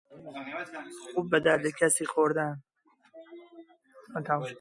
خوب به درد کسی خوردن